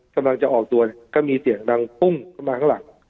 ช่วงจะออกตัวเราก็มีเสียงดังปึ้ง